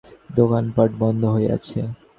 পথে তখন লোক চলাচল কমিয়াছে, দোকানপাট বন্ধ হইয়াছে।